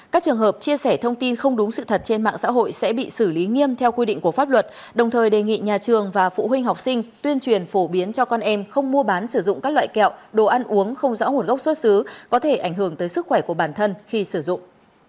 các trường hợp chia sẻ thông tin không đúng sự thật trên mạng xã hội sẽ bị xử lý nghiêm theo quy định của pháp luật đồng thời đề nghị nhà trường và phụ huynh học sinh tuyên truyền phổ biến cho con em không mua bán sử dụng các loại kẹo đồ ăn uống không rõ nguồn gốc xuất xứ có thể ảnh hưởng tới sức khỏe của bản thân khi sử dụng